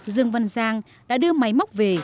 dương văn giang đã đưa máy móc về